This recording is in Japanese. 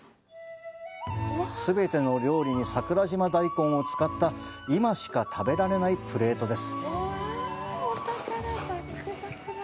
全ての料理に桜島大根を使った今しか食べられないプレートです。